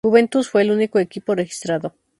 Juventus fue el único equipo registrado.